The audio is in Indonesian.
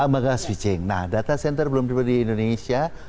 lembaga switching nah data center belum tiba di indonesia